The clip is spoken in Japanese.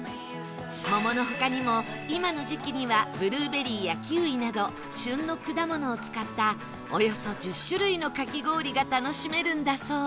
桃の他にも今の時期にはブルーベリーやキウイなど旬の果物を使ったおよそ１０種類のかき氷が楽しめるんだそう